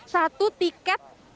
satu tiket masuk ke spesial